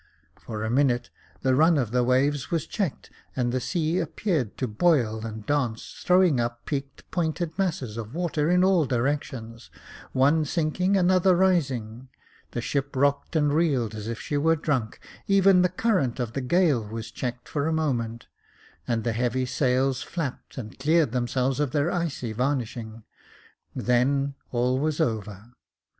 For a minute, the run of the waves was checked, and the sea appeared to boil and dance, throwing up peaked, pointed masses of water in all direc tions, one sinking, another rising ; the ship rocked and reeled as if she were drunk j even the current of the gale was checked for a moment, and the heavy sails flapped and cleared themselves of their icy varnishing — then all was over.